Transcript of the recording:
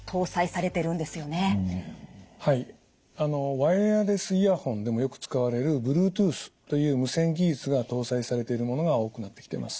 ワイヤレスイヤホンでもよく使われるブルートゥースという無線技術が搭載されているものが多くなってきてます。